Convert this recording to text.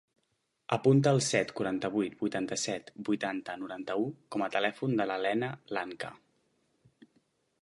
Apunta el set, quaranta-vuit, vuitanta-set, vuitanta, noranta-u com a telèfon de la Lena Lancha.